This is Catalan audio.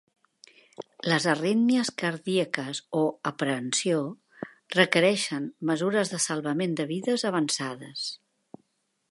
Les arítmies cardíaques o aprehensió requereixen mesures de salvament de vides avançades.